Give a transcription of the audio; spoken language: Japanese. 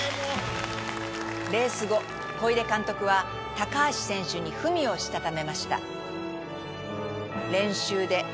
レース後小出監督は高橋選手に文をしたためました。